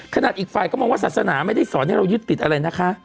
อีกฝ่ายก็มองว่าศาสนาไม่ได้สอนให้เรายึดติดอะไรนะคะ